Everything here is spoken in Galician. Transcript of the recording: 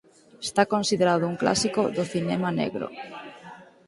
Está considerado un clásico do cinema negro.